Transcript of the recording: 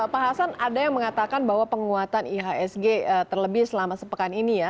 pak hasan ada yang mengatakan bahwa penguatan ihsg terlebih selama sepekan ini ya